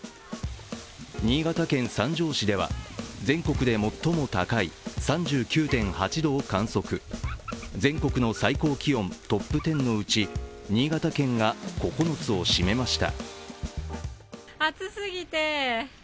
新潟県三条市では全国で最も高い３９．８度を観測全国の最高気温トップ１０のうち新潟県が９つを占めました。